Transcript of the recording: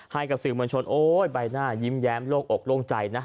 ให้กับสื่อมวลชนโอ๊ยใบหน้ายิ้มแย้มโล่งอกโล่งใจนะ